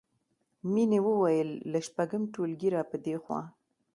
مینې وویل له شپږم ټولګي راپدېخوا